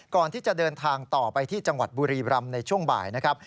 ก่อนที่จะเดินทางต่อไปที่จังหวัดบุรีรำในช่วงบ่ายนะครับ